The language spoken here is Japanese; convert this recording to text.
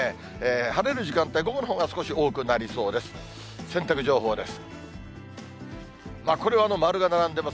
晴れる時間帯、午後のほうが少し多くなりそうです。